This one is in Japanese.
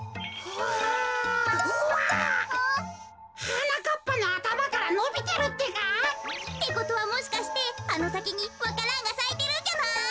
はなかっぱのあたまからのびてるってか！ってことはもしかしてあのさきにわか蘭がさいてるんじゃない？